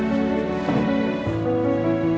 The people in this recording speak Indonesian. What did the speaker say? mama sudah senang